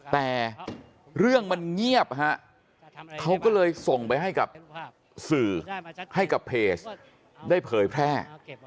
แต่เรื่องมันเงียบฮะเขาก็เลยส่งไปให้กับสื่อให้กับเพจได้เผยแพร่